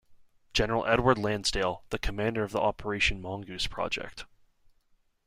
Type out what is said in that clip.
General Edward Lansdale, the commander of the Operation Mongoose project.